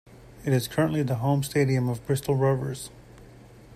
It is currently the home stadium of Bristol Rovers.